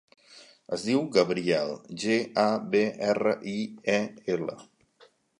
Es diu Gabriel: ge, a, be, erra, i, e, ela.